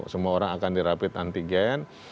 semua orang akan dirapit antigen